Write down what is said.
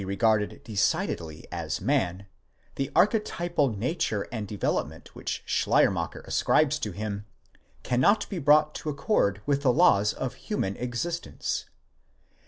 regarded decidedly as man, the archetypal nature and development which Schleiermacher ascribes to him, cannot be brought to accord with the laws. . of human existence.